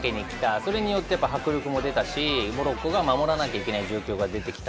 それによって迫力も出たしモロッコが守らなきゃいけない状況が出てきた。